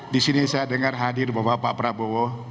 disini saya dengar hadir bapak prabowo